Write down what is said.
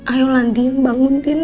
ayolah din bangun din